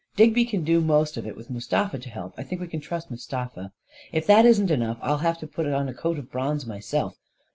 Digby can do most of it, with Mustafa to help. I think we can trust Mustafa. If that isn't enough, I'll have to put on a coat of bronze myself.